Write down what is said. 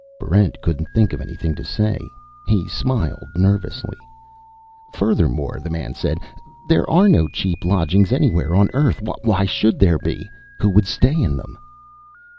Barrent couldn't think of anything to say. He smiled nervously. "Furthermore," the man said, "there are no cheap lodgings anywhere on Earth. Why should there be? Who would stay in them?"